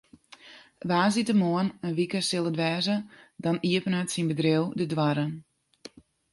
Woansdeitemoarn in wike sil it wêze, dan iepenet syn bedriuw de doarren.